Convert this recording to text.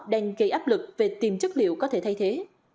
đang gây áp lực về tiềm chất liệu có thể thay thế